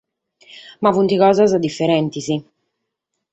Ma sunt cosas diferentes.